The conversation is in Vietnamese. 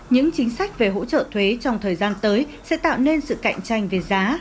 những chính sách về hỗ trợ thuế trong thời gian tới sẽ tạo nên sự cạnh tranh về giá